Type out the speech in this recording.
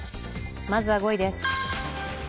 まずは５位です。